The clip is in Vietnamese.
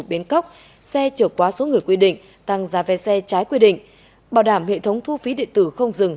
biến cốc xe trở quá số người quy định tăng giá ve xe trái quy định bảo đảm hệ thống thu phí điện tử không dừng